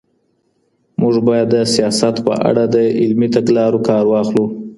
موږ بايد د سياست په اړه د علمي تګلارو کار واخلو